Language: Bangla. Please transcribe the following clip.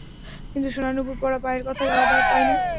কিন্তু সোনার নূপুর পরা পায়ের কথাই আলাদা, তাই না?